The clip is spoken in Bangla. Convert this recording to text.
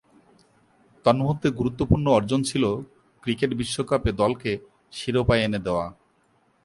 তন্মধ্যে গুরুত্বপূর্ণ অর্জন ছিল ক্রিকেট বিশ্বকাপে দলকে শিরোপা এনে দেয়া।